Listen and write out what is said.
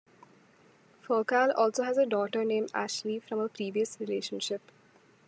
Furcal also has a daughter named Ashley from a previous relationship.